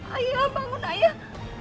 ayah bangun ayah